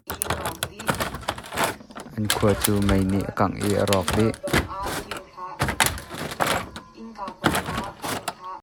Hri a hrual cuahmahmi khi ka pu a si.